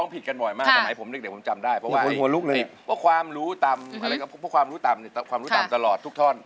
ติดกันบ่อยมากผมเดี๋ยวผมจำได้เพราะว่าความรู้ต่ำตลอดทุกท่อน